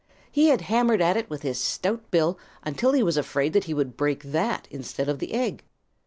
He had hammered at it with his stout bill until he was afraid that he would break that, instead of the egg.